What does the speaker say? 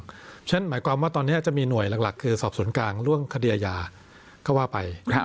เพราะฉะนั้นหมายความว่าตอนนี้จะมีหน่วยหลักคือสอบสวนกลางเรื่องคดีอาญาก็ว่าไป